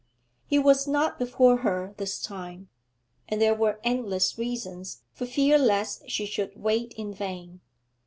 He was not before her this time, and there were endless reasons for fear lest she should wait in vain.